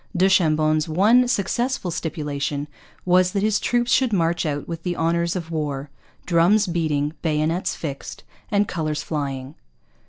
Du Chambon's one successful stipulation was that his troops should march out with the honours of war, drums beating, bayonets fixed, and colours flying.